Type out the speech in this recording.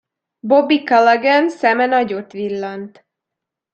Bobby Calaghan szeme nagyot villant.